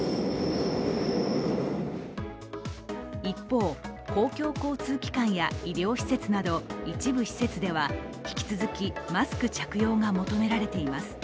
一方、公共交通機関や医療施設など一部施設では引き続き、マスク着用が求められています。